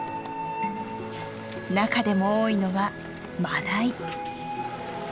中でも多いのはマダイ。